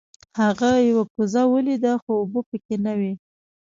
هغه یوه کوزه ولیده خو اوبه پکې نه وې.